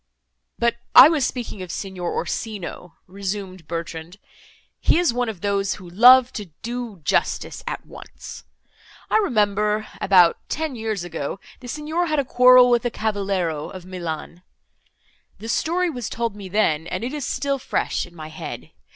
"But I was speaking of Signor Orsino," resumed Bertrand, "he is one of those, who love to do justice at once. I remember, about ten years ago, the Signor had a quarrel with a cavaliero of Milan. The story was told me then, and it is still fresh in my head.